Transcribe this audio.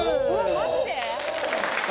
マジで？